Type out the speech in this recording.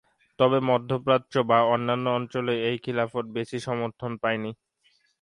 তবে মধ্য প্রাচ্য বা অন্যান্য অঞ্চলে এই খিলাফত বেশি সমর্থন পায়নি।